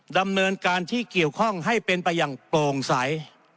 ดำเนินการที่เกี่ยวข้องให้เป็นไปอย่างโปร่งใส